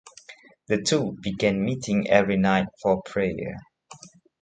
The two began meeting every night for prayer.